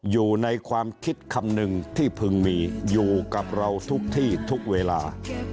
อยู่ในความคิดคำนึงที่พึงมีอยู่กับเราทุกที่ทุกเวลา